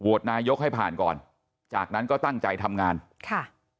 นายกให้ผ่านก่อนจากนั้นก็ตั้งใจทำงานค่ะ